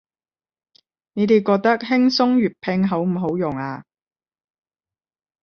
你哋覺得輕鬆粵拼好唔好用啊